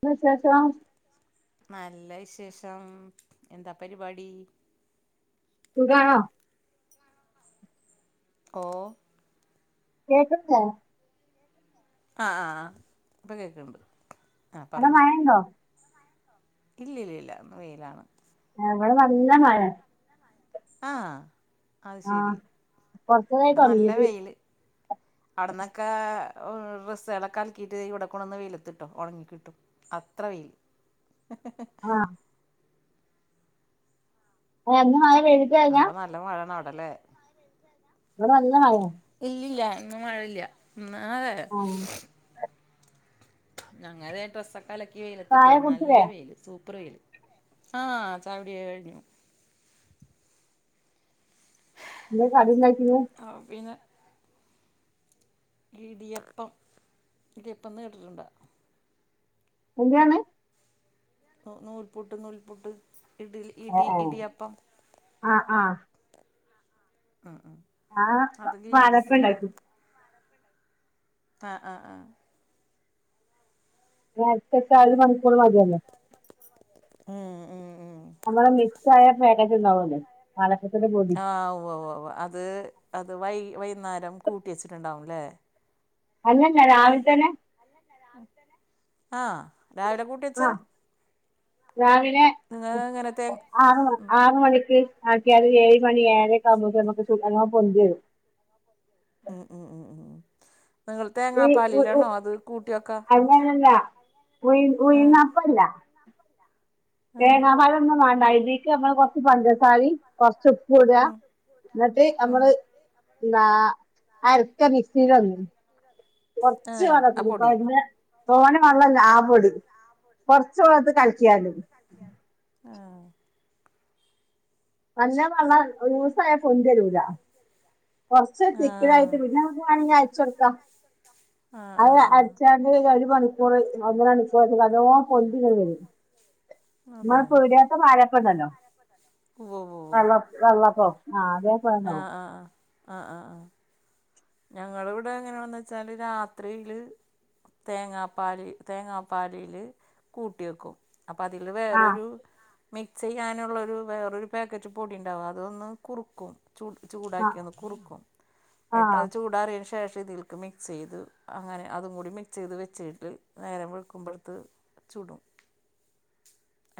എന്താ വിശേഷം നല്ല വിശേഷം എന്താ പരിപാടി സുഖാണോ ഓ കേക്ക്ണില്ലേ ആ ആ ആ ഇപ്പം കേൾക്ക്ണ്ട് ആ അവിടെ പറഞ്ഞോ മഴയുണ്ടോ ഇല്ല ഇല്ലല്ല ഇന്ന് വെയിലാണ് ഏ ഇവടെ നല്ല മഴേ ആഹ് അത് ആ ശരി കുറച്ചതായി ഇവിടെ നല്ല തുടങ്ങിയിട്ട് വെയില് അവ്ട്ന്നൊക്കെ ഡ്രസ്സ്‌കളോക്കെ അൽക്കിയിട്ട് ഇവിടെ കൊട്ന്ന് വെയിലത്തിട്ടോ ഉണങ്ങിക്കിട്ടും അത്ര വെയിൽ ആഹ് എ ഇന്ന് മഴ പെയ് അപ്പൊ നല്ല മഴാണ് അവിട ലെ ഇവടെ നല്ല മയെണ് ഇല്ലില്ല ഇന്ന് മഴല്ല ഇന്നാ ആ ഞങ്ങൾ ഇതേ ഡ്രസ്സൊക്കെ അലക്കി വെയിലത്ത് ചായ ഇട്ടെക്ക്ണ് നല്ല കുടിച്ചില്ലേ വെയില് സൂപ്പർ വെയില് ആഹ് ചായ കുടി ഒക്കെ കഴിഞ്ഞു എന്ദേ കടിണ്ടാക്കിന്ന് ആ പിന്നെ ഇടിയപ്പം ഇടിയപ്പം ന്ന് കേട്ടിട്ടുണ്ടോ എന്തേർഞ് നൂൽപുട്ട് നൂൽപുട്ട് ഇഡ്ലി ഇടി ഇടിയപ്പം ആഹ് ആഹ് ആഹ് ആഹ് ഞാൻ പാലപ്പം ഇണ്ടാക്കി ആ ആ ആഹ് അരച്ചചാ ഒരു മണിക്കൂർ മതിയല്ലോ എ എഹ് നമ്മളെ മിക്സ് ആയ പേക്കറ്റ് ഇണ്ടാവല്ലേ പാലപ്പത്തിന്റെ പൊ ആ ഉവ്വവ്വവ അത് അത് വൈ വൈന്നാരം കൂട്ടി വെച്ചിട്ടുണ്ടാവുംല്ലേ അല്ലല്ല രാവിൽ തന്നെ ആ രാവിലെ കു ആ രാവിലെ നിങ്ങള് എങ്ങനത്തെ ആറ് ആറ് മണിക്ക് ആക്കിയാല് ഏഴ് മണി ഏഴരക്കെ ആവുമ്പോക്ക് നമ്മക്ക് ചുടാ നല്ലോം പൊന്തിവരും ഉം ഉം ഉം ഉം ഉ നിങ്ങൾ തേങ്ങാപ്പാലില്ലാണോ അത് കൂട്ടി വെക്കാ ല്ലല്ല ഉയ് ആഹ് ഉയ്ന്ന പ്പല്ല ആഹ് തേങ്ങാ പാലൊന്നും വേണ്ട ഇ തീക്ക് നമ്മള് കൊറച്ച് പഞ്ചസാരിം കൊറച്ച് ഉപ്പും ഇ ടാ ഉം ഇന്നട്ട് ഉം നമ്മള് ന്താ അരക്ക മിക്സില് [unintelligible] കൊറച്ച് ആഹ് ആ പൊടി [unintelligible] തോ നെ വെള്ള ലാപെടും കൊറച്ച് വള്ളത്ത് കലക്കിയാ തി ആഹ് നല്ലോ വള്ളം ലൂസായാ പെന്തി രൂല്ല കുറച്ച് തിക്ക് ആഹ് ലായിട്ട് പിന്നെ നമ്മക്ക് മാണങ്കി അയച്ചോട്ക്കാ ആഹ് അഹ് ആഹ് അരച്ചാ ആഹ് [unintelligible] ഒര് മണിക്കൂർ ഒന്നര ണി [unintelligible] നല്ലോം പൊന്തി ങ്ങട്ട് വരും അതെ മ്മളെ പീടെത്തെ പാലപ്പണ്ടല്ലോ വ്വ് വ്വോ വെള്ള വെള്ളപ്പം ആ അതാ പർ ആ ആ ആ ആ ആ ആ ഞങ്ങള ഇവിടെ എങ്ങനെ ന്ന് വെച്ചാല് രാത്രിയില് തേങ്ങാപ്പാല് തേങ്ങാപ്പാലില് കൂട്ടി വെക്കും അപ്പം അതില് ആ വേറൊരു മിക്സ് ചെയ്യാനുള്ളൊരു വേറൊരു പാക്കറ്റ് പൊടിണ്ടാവും അതൊന്ന് കുറുക്കും ചു ആ ചൂടാക്കി ഒന്ന് കുറുക്കും ങ്ങട്ടാ ആ ചൂ ടാറിയേന് ശേഷം ഇതിൽക്ക് മിക്സെയ്ത് അങ്ങനെ അതും കൂടി മിക്സെയ്ത് വെച്ചിട്ട് നേരം വഴുക്കുമ്പോഴ്ക്ക് ചൂടും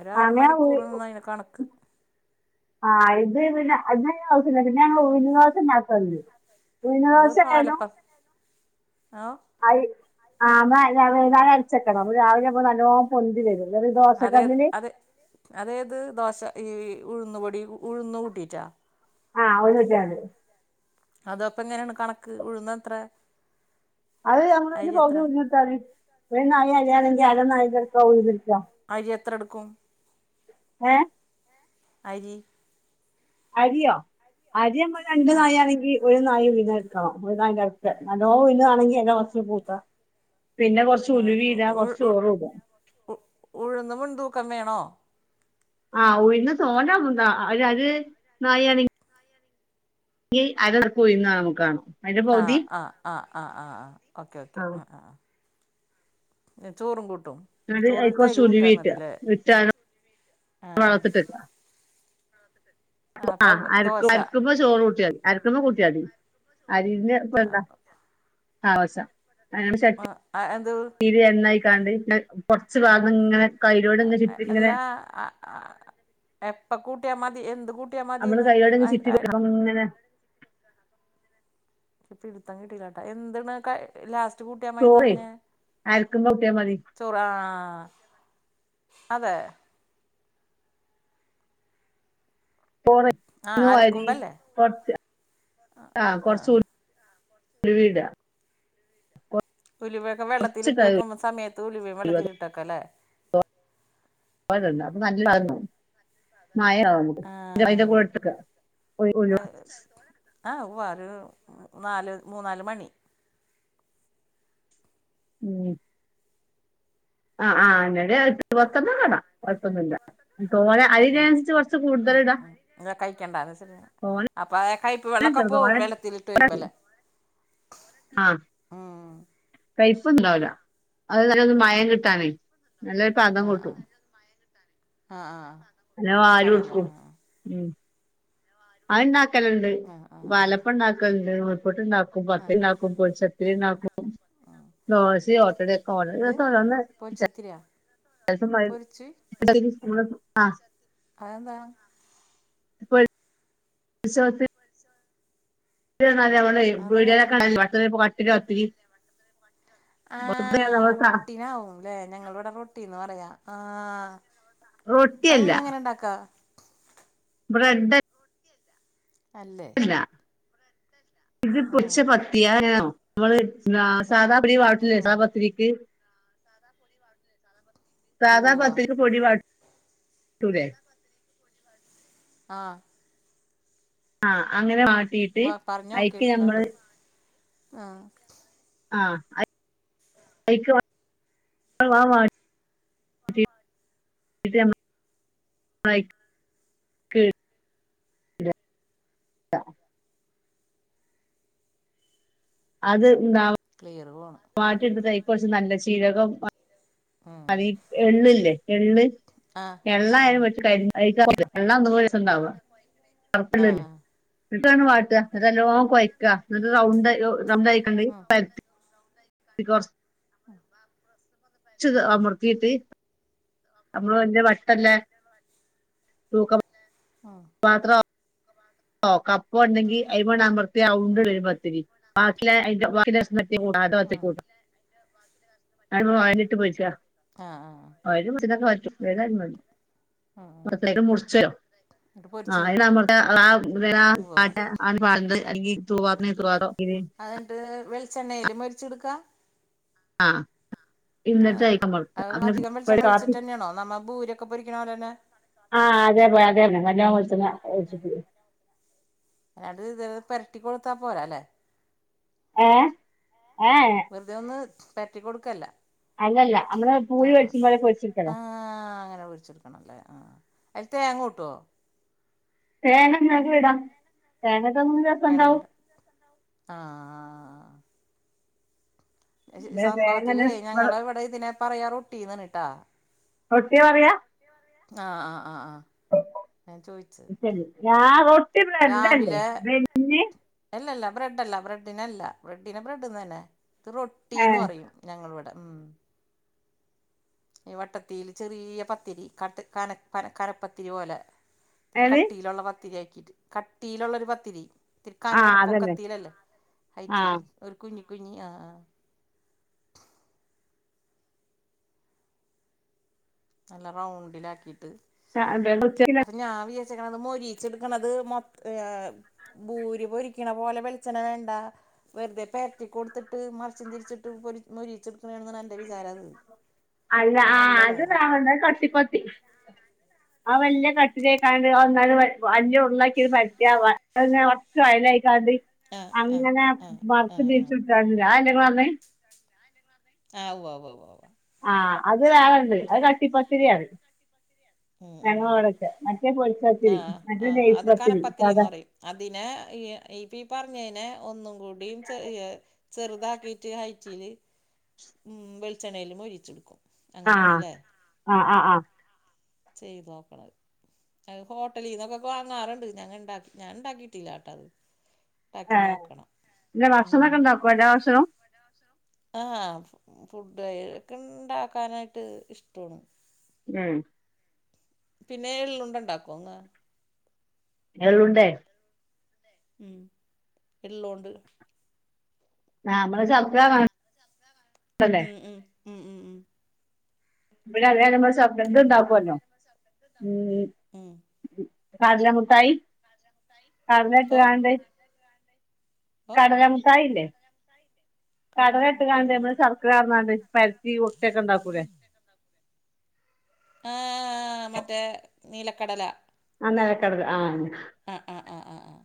ഒരാറ് അങ്ങനെ മണിക്കൂർ ന്നാ അയിന് കണക്ക് ആഹ് ഇത്പിന്നെ ഇത് ഔസ്യല്ല പിന്നെ ങ്ങള് ഉയ്ന്ന് ദോശ ണ്ടാക്കൽണ്ട് [unintelligible] [unintelligible] അത് പാലപ്പം ആ വൈന്നാരം അരച്ചക്കണ രാവിലെ ആവുമ്പം നല്ലോ പൊന്തി വരും. ഒരു അതെത് ദോശക്കല്ലില് അതെ അതേത് ദോശ ഈ ഉഴുന്ന് പൊടി ഉഴുന്നു കൂട്ടിട്ടാ ആഹ് ഉയ്ന്ന്ണ്ടായാണ്ട് അത് അപ്പം എങ്ങനെണ് കണക്ക് ഉഴുന്നത്ര അത് നമ്മള് ആയിന്റെ പകുതി ഉയ്ന്ന് ട്ത്താ മതി ഒര് നാഴി അരിയാണങ്കി അരനാഴിന്റെപൗതി ട്ക്കാ അരി എത്ര ട്ക്കും ഏ അരി അരിയോ അരി നമ്മൾ രണ്ട് ആ നാഴിയാണെങ്കി ഒര് നാഴി ഉയന്ന് ട്ക്കണ്ണം ഒരു നാഴിന്റെ ടുത്തെ നല്ലോ ഉയുന്ന് വാണെങ്കി അയിന്റെ കുറച്ച് കൂടാ പിന്നെ കൊറച്ച് ആ, ഉലവിടാ ഉ- കൊറച്ച് ചൊറ്ടാ ഉ ഉഴുന്ന് മുൻ തൂക്കം വേണോ? ആഹ് ഉയുന്ന് തോനെ ഇടേണ്ട.. അരി നായി ആണെങ്കി ഈ അരറക്കു ഉയുന്നു [unintelligible] അയിന്റെ ആ പൗതി ആ ആ ആ ആ ആ ഓക്കെ ഓക്കെ ആഹ് ആ ആ ആ എ ചോറും കൂട്ടും എന്നിട്ട് അയിക്കൊറച്ച് [unintelligible] ഉലുവീട്ടാ മതില്ലേ ഇട്ടാണ്ട് ആഹ്.. ആ ആ അപ്പം അരക്കു ദോശ അരക്കുമ്പോ ചോറ് കൂട്ടിയാ മതി.. അരക്കുമ്പ കൂട്ടിയാ മതി. അരിന് ഇപ്പ എന്താ ആ ദോശ ആ, [unintelligible] [unintelligible] ആ, എന്ത് കൊറച്ച് ഭാഗം ഇങ്ങനെ കയിലോട് [unintelligible] ഇങ്ങനെ അ അ എപ്പ കൂട്ടിയാ മതി എന്ത് കൂട്ടിയാ മതിന്ന് ങ്ങനെ പിടുത്താം കിട്ടീലാട്ടാ എന്തു [unintelligible] ലാസ്റ്റ് ചോറേ കൂട്ടിയമയിന്നുറഞ്ഞേ? അരക്കുമ്പോ കൂട്ടിയാ മതി ചോറ് ആ അതെ [unintelligible] ആ അരക്കുമ്പല്ലേ കൊറച്ച് ആഹ ആ കൊറച്ചൂടി [unintelligible] ഉലുവൊക്കെ കൊറച്ച് വെള്ളത്തിലിട്ട് വെക്കുമ്പ സമയത്ത് ഉലുവിം വെള്ളത്തിലട്ടക്കല്ലേ [unintelligible] [unintelligible] ആ മഴയുണ്ടോ? [unintelligible] ആ ഉവ്വ അത് ഒരു നാല് മൂന്നാല് മണി ഉം ആഹ്. ആ. എന്നട്ട് എട്ട് പത്തണ്ണോകിട കുഴപ്പൊന്നില്ല തോനെ ഉം ഉം അയിനനുസരിച് കുറച്ച് ഉം കൂടുതലിടാ തോനെ അപ്പൊആ കയ്പ്പ് വെള്ളക്കൊ പോവു വെള്ളത്തിലിട്ട് വരുമ്പല്ലേ? ആഹ ഉം കയ്പ്പ്ണ്ടാവുലാ അഹ്‌ നല്ലൊരു മയം കിട്ടാനേ നല്ല ആ ആ [unintelligible] ആഹ് ആഹ് ഞാൻ അതെല്ലേ വാരിട്ക്കും ആഹ് ഉം അത്ണ്ടാക്കലണ്ട് ആഹ് ആഹ് പാലപ്പണ്ടാക്കലണ്ട്, നൂൽ പുട്ട്ണ്ടാക്കും, ആഹ് ആഹ് പത്തിരിണ്ടാക്കും, പൊരിച്ചത്തിരിണ്ടാക്കും. ദോശേം ഓട്ടടിം ക്കെ [unintelligible] രസാനല്ലേ പൊരിച്ചത്തിരി [unintelligible] ആ [unintelligible] അതെന്താ [unintelligible] [unintelligible] [unintelligible] പീഡിലൊക്കെ അതെങ്ങനെയാണ് [unintelligible] തിരി തിരി വെറുത്താനെ നമ്മൾ താ ല്ലെ ഞങ്ങളിവ്ടെ റൊട്ടിന്ന പറയാ ആ അത് റൊട്ടിയല്ല പിന്നങ്ങനെണ്ടാക്ക? ബ്രെഡ് അല്ലേ? ല്ലാ ഇത് ആഹ് [unintelligible] നമ്മള് ആ സാദാ അരി വാട്ടൂലെ പതിരിക്ക് [unintelligible] സാധാ ഉവ്വാ പത്തിരിക്ക് പൊടി വാറ്റ് ട്ടുലേ അഹ് ആഹ് അങ്ങനെ വാട്ടിട്ട് വാ പറഞ്ഞോ അയ്ക്ക് കേൾക്കണണ്ട് ഞമ്മള് ആഹ് ആ [unintelligible] ആഹ്... വാട്ടും [unintelligible] യി [unintelligible] അത് ക്കാവാ ക്ലിയറ് പോണ് മാറ്റി ട്ത്ത്ട്ട് അയിക്ക് കൊർച്ച് നല്ല ചീരകം ഉം അതീ എള്ള് ല്ലേ എള്ള് ആഹ് എള്ളായാലും ആഹ് പറ്റും [inaudible] ത്ത് ട്ടാവാ [inaudible] ആഹ് ഇങ്ങട്ടാ ണ്ട് വാ ട്ടാ ഇങ്ങട്ടല്ലോം കൊഴക്കാ ഇങ്ങട്ട് റൗണ്ട് റൗണ്ടായി കാണ്ട് ആഹ് പര [unintelligible] ർച്ച് അമർത്തീട്ട് അപ്പോ ഇഞ്ഞ് വട്ടല്ലേ തൂക്കം ആ പാത്ര ക്കെ [unintelligible] [unintelligible] കപ്പോ ണ്ടെങ്കി ഐമണ്ട് അമർത്തിയാ ഔണ്ട് ട്ട് വരും പത്തിരി നാട്ടിലെ [unintelligible] ഉം കൂടും വായിലിട്ട് പോയിച്ചാ ആഹ് ആഹ് ആഹ് വയലൊക്കെ മാറ്റും ഏതായാലും മതി ഉം ഉം വടത്തേ മുറിച്ചരും എന്നിട്ട് ആ പൊരിച്ച് എടുക്കും നമ്മുടെ ആ ഉവ്വവ്വ [unintelligible] അ എന്നിട്ട് വെളിച്ചെണ്ണയില് മരിച്ചെടുക്ക ആഹ് ഏ അത് അധികം ഒരു വെളിച്ചണ്ണം ഒഴിച്ച്ട്ട് കാപ്പി തന്നെയാണോ നമ്മ പൂര്യാക്കെ പൊരിക്കണ പോലെ തന്നെ ആഹ് അതേ പോലെ അതേ തന്നെ നല്ലോം വെളിച്ചെണ്ണ ഒഴിച്ച് അത് ഇത് പെരട്ടി കൊടുത്താൻ പോരാ അല്ലെ ഏഹ് ഏ എ വെറുതെൊന്നും പരറ്റി കൊടുക്കല്ല അല്ലല്ല നമ്മള് പൂരി ആഹ് ആഹ് പൊരുച്ചും പോലെ പൊരിച്ചിരിക്കലാ ആഹ് അങ്ങനെ പൊരിച്ചെടുക്കണല്ലേ ആ അ യ്ല് തേങ്ങോട്ടുമോ തേങ്ങ ട് ഞോൻക്ക് ഇടാം തേങ്ങട്ട ഒന്ന് രസണ്ടാവും വേണങ്കിട ആഹ് പിന്നെ സംഭവത്തില് തേങ്ങ ഞങ്ങള് ഇവിടെ ഇതിനെ പറയാ റൊട്ടിന്നാണിട്ടാ റൊട്ടി പറയാ ആഹ് ആഹ് ആഹ് ആഹ് ഞാൻ ചോദിച്ചത് ശരി ഞാൻ റൊട്ടി ബ്രെഡ് അല്ലേ രാവിലെ ബെന്നി അല്ലല്ല ബ്രെഡ്ല്ല ബ്രെഡിനല്ല ബ്രെഡിനെ ബ്രെഡ്ന്ന് തന്നെ ഇത് ഏ റൊട്ടിന്ന് പറയും ഞങ്ങളിവിടെ ഉം ഈ വട്ടത്തില് ചെറിയ പത്തിരി കന കന കനപ്പത്തിരി പോലെ ഇത്തിരി ഏത് കട്ടിയിലുള്ള പത്തിരിയാക്കിട്ട് കട്ടിയിലുള്ളൊരു പത്തിരി തിരി ആ കന അതന്നെ പൊക്കത്തിലല്ലേ ഹൈറ്റില് ഒരു കുഞ്ഞി കുഞ്ഞി ആ ആഹ് നല്ല റൗണ്ടിലാക്കിയിട്ട് ആ അങ്ങനെ കൊച്ചൊരു ക ഞാൻ വീ ചാരിച്ചിക്കണത് മൊരിച്ചെടുക്കണത് മൊ ഭൂരി പൊരിക്കണ പോലെ വെളിച്ചെണ വേണ്ട വെറുതെ പരറ്റി കൊടുത്തിട്ട് മറിച്ചം തിരിച്ചിട്ട് മൊരിച്ചെടുക്കണ [unintelligible] അല്ല ആ അത് അങ്ങനെയല്ലല്ലേ ഞാൻ പറഞ്ഞ് കട്ടിപ്പത്തിരി ആ വല്ല്യ തട്ട് ലാക്കാണ്ട് ഒന്നായിട്ട് ഉള്ളാക്കി ഒരു പരത്തിയാ കൊറച്ച് ഓയലായിക്കാട്ട് ആഹ് ആഹ് അങ്ങനെ ആഹ് മറിച്ച് ആഹ് ആഹ് തിരിച്ച് വിട്ടിട്ടില്ല അതല്ലെ ങ്ങള് പറഞ്ഞത് ആഹ് ഉവ്വ് ഉവ്വ് ആഹ് അത് വേറെണ്ട് അത് കട്ടിപ്പത്തിരിയാണ് ഉം ഉം ഉം ഞങ്ങളവിടക്കെ മറ്റേ പൊരിച്ചത്തിരി ആഹ് മറ്റേ ആഹ് അത് നെയ്പത്തിരി കനപ്പത്തിരിന്ന് സാധാ പറയും അതിനെ ഈപ്പ പറഞ്ഞതിനെ ഒന്നും കൂടിയും ചെറുതാക്കിട്ട് ഹൈറ്റില് ഉം വെളിച്ചെണ്ണയില് മൊരീച്ചെടുക്കും ആ അങ്ങനെയണല്ലേ ആ ആ ആഹ് ആ ചെയ്തോക്കണത് അയ് ഹോട്ടലീന്നൊക്കെ വാങ്ങാറുണ്ട് ഞങ്ങള് ണ്ടാക്ക ഞാൻ ഉണ്ടാക്കിയിട്ടില്ലാട്ടത് ആഹ് ജ് ഉം ഭക്ഷണോകെ ഉണ്ടാക്കോ എല്ലാ ഭക്ഷണും ആഹ് ഫുഡ്ക്കെ ഇണ്ടാക്കാനായിട്ട് ഇഷ്ടമാണ് ഉം പിന്നെ എളളുണ്ടണ്ടാക്കോ ന്ന് എള്ളുണ്ടേ ഉം എള്ളോണ്ട് ആ നമ്മള് ചത്കാ ഉം ഉം ഉം ഉം ഉം ഇവിടെ അതെ പോലെ നമ്മള് ഇത് ഇണ്ടാക്കല്ലോ ഉം ഉം കടല മുട്ടായി ഓ കടലട്ട്ങ്ങാണ്ട് ഓ കടല മുട്ടായില്ലേ കടല കടലട്ട്ങ്ങാണ്ട് മുട്ടായി നമ്മള് അത് ശർക്കരാർ ന്ന്ങ്ങാണ്ട് പരിത്തി ഉരുട്ടി യൊക്കണ്ടാക്കൂലേ ആഹ് മറ്റേ നീലക്കടല ആഹ് നിലകടല ആന്നെ ആഹ് ആഹ് ആഹ് ആഹ്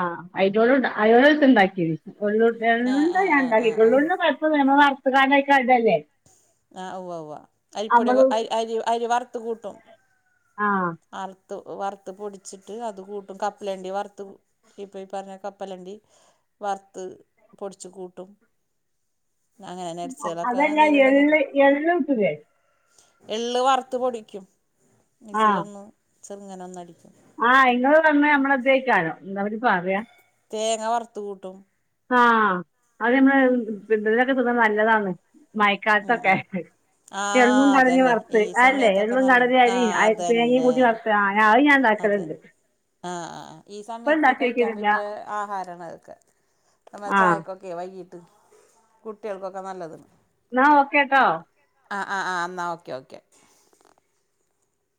ആഹ് അതിനോട് അയിനോ എള്ളുണ്ട ആഹ് എള്ളുണ്ട ആഹ് ആഹ് ഞാണ്ടാക്കി ആഹ് ആഹ് എള്ളുണ്ട കൊഴപൊന്നുല്യ നമ്മള് വറുത്ങ്ങാണ്ട് അയിക്കാണ്ട്ടല്ലേ ആഹ് ഉവ്വ വ്വവാ അരിപ്പൊടി അരി അരി അരി വറുത്ത കൂട്ടും ആഹ് വറുത്ത് വറുത്ത് പൊടിച്ചിട്ട് അത് കൂട്ടും. കപ്പലേണ്ടി വറുത്ത് ഇപ്പ ഈ പറഞ്ഞ കപ്പലണ്ടി വറുത്ത് പൊടിച്ചു കൂട്ടും അങ്ങനെ നെട്ട്സ് അതെല്ലാ എള്ള് എള്ള് കൂട്ടുലേ എള് വറുത്ത് പൊടിക്കും. ആഹ് മിക്സിയിലൊന്ന് ചെറുങ്ങനെ ഒന്ന അടിക്കും. ആഹ് ങ്ങൾ പറഞ്ഞയ് നമ്മളന്തയി ക്കാരം എന്തപ്പയ്ന് പറയ തേങ്ങ വറുത്തു കൂട്ടും. ആഹ് അത് നമ്മളെ പിന്തതിലൊക്കെ തിന്നണത് നല്ലതാണ്. ഉം മയക്കാലത്തൊക്കെ ഉം എള്ളും ആഹ് കടലിം അതന്നെ ഈ വറുത്ത് അതല്ലേ സമയത്തൊക്കെ എള്ളും നല്ലതണം കടലിം ആഹ് അരിം തേങ്ങയും അതെന്നെ കൂട്ടി വറുത്ത് ആ അത് ഞാൻ ഉണ്ടാക്കലുണ്ട് അതെന്നെ ആഹ് ആ ഈ ഇപ്പ സമയത്ത് ഉണ്ടാക്കി കഴിക്കാൻ നോക്കിട്ടില്ല പറ്റിയ പലഹാരങ്ങളൊക്കെ നമ്മ ആ ചായക്കൊക്കെ വൈകിട്ട് കുട്ടികൾക്കൊക്കെ നല്ലതാണ്. ന്നാ ഓക്കെട്ടോ ആഹ് ആഹ് ആഹ് എന്നാൽ ഓക്കെ ഓക്കെ